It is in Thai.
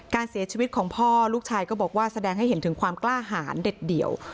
การเสียชีวิตของพ่อลูกชายก็บอกว่าแสดงให้เห็นถึงความกล้าหารเด็ดเดี่ยว